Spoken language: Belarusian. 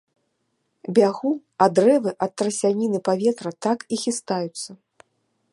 Бягу, а дрэвы ад трасяніны паветра так і хістаюцца.